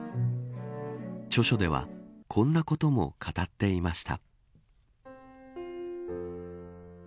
著書ではこんなことも語っていました。